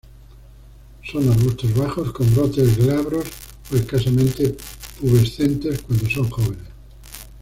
Son arbustos bajos; con brotes glabros o escasamente pubescentes cuando son jóvenes.